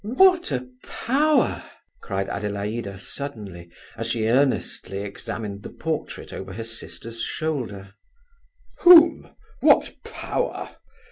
"What a power!" cried Adelaida suddenly, as she earnestly examined the portrait over her sister's shoulder. "Whom? What power?"